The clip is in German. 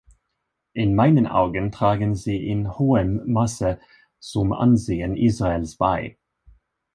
In meinen Augen tragen sie in hohem Maße zum Ansehen Israels bei.